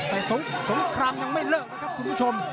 แต่สงครามยังไม่เลิกนะครับคุณผู้ชม